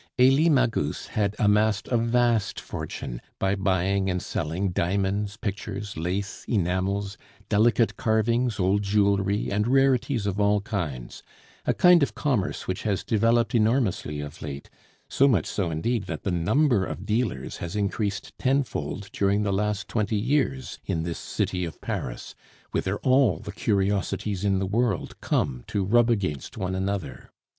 Elie Magus had amassed a vast fortune by buying and selling diamonds, pictures, lace, enamels, delicate carvings, old jewelry, and rarities of all kinds, a kind of commerce which has developed enormously of late, so much so indeed that the number of dealers has increased tenfold during the last twenty years in this city of Paris, whither all the curiosities in the world come to rub against one another.